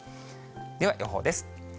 では予報です。